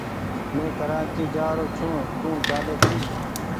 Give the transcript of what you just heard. مينٚ ڪراچي جآرو ڇوٚنٚ تو چاليٚ جي